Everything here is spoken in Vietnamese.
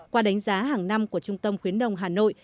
qua đánh giá hàng năm của trung tâm khuyến nông hà nội